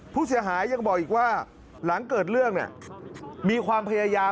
ผู้เสียหายยังบอกอีกว่าหลังเกิดเรื่องเนี่ยมีความพยายาม